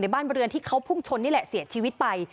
บ้านบริเวณที่เขาพุ่งชนนี่แหละเสียชีวิตไป